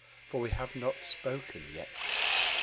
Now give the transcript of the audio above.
For we have not spoken yet.